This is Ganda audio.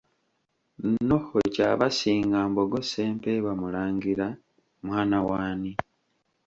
Noho Kyabasinga Mbogo Ssempebwa mulangira, mwana w'ani?